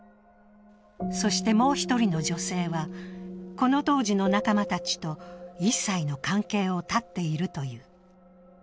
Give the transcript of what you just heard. そして、もう１人の女性はこの当時の仲間たちと一切の関係を断っているという。